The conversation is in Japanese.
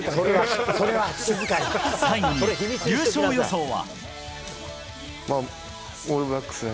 最後に優勝予想は？